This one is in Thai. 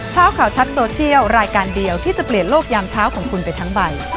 เช้าข่าวชัดโซเชียลรายการเดียวที่จะเปลี่ยนโลกยามเช้าของคุณไปทั้งใบ